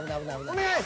お願い！